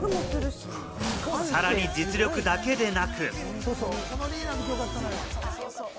さらに実力だけでなく。